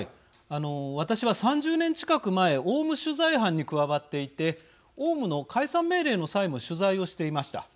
私は３０年近く前オウム取材班に加わっていてオウムの解散命令の際も取材をしていました。